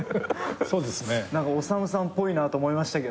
何かおさむさんぽいなって思いましたけど。